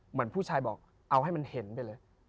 เหมือนผู้ชายบอกเอาให้มันเห็นไปเลย